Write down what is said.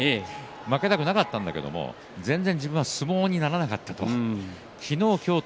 負けたくなかったんだけども全然自分の相撲にならなかった。